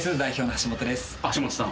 橋本さん